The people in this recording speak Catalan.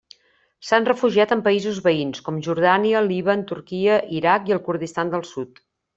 S'han refugiat en països veïns, com Jordània, Líban, Turquia, Iraq i el Kurdistan del Sud.